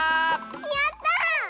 やった！